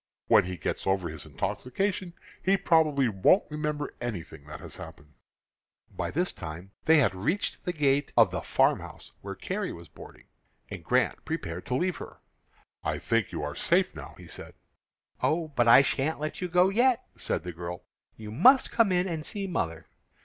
When he gets over his intoxication he probably won't remember anything that has happened." By this time they had reached the gate of the farmhouse where Carrie was boarding, and Grant prepared to leave her. "I think you are safe now," he said. "Oh, but I shan't let you go yet," said the girl. "You must come in and see mother."